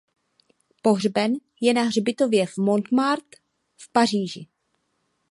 Pohřben je na hřbitově Montmartre v Paříži.